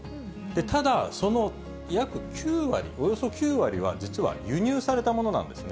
ただ、その約９割、およそ９割は、実は輸入されたものなんですね。